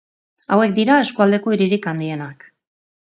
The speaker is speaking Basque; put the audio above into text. Hauek dira eskualdeko hiririk handienak.